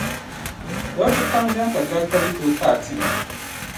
Dɔriti pam beni ka dokta ni tooi t’a tim.